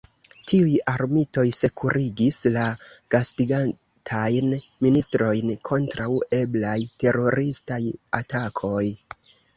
Tiuj armitoj sekurigis la gastigatajn ministrojn kontraŭ eblaj teroristaj atakoj!